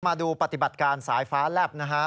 มาดูปฏิบัติการสายฟ้าแลบนะฮะ